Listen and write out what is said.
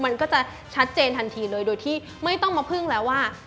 มันก็จะชัดเจนทันทีเลยโดยที่ไม่ต้องมาพึ่งแล้วว่า